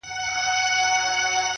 بس یو نوبت وو درته مي تېر کړ -